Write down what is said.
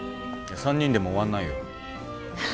３人でも終わんないよ。